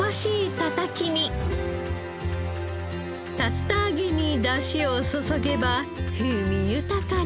竜田揚げにだしを注げば風味豊かに。